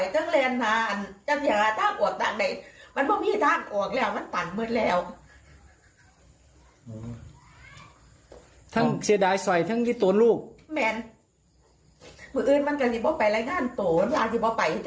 แต่ว่าแม่ไม่อยากให้ขายแม่ไม่อยากให้พลวทไป